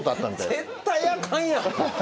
絶対あかんやん。